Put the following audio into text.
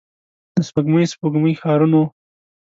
د سپوږمۍ، سپوږمۍ ښارونو